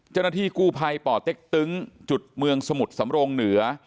เจ้าหน้าที่กู้ภัยป่อเต็กตึงจุดเมืองสมุทรสำรงเหนือ